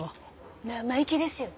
生意気ですよね。